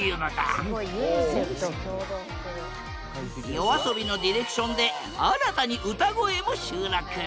ＹＯＡＳＯＢＩのディレクションで新たに歌声も収録。